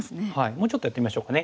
もうちょっとやってみましょうかね。